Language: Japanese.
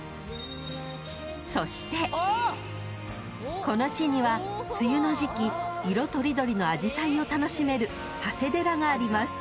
［そしてこの地には梅雨の時季色とりどりのアジサイを楽しめる長谷寺があります］